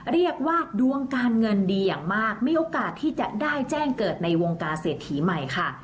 เรียกว่าดวงการเงินดีอย่างมากมีโอกาสที่จะได้แจ้งเกิดในวงการเศรษฐีใหม่ค่ะ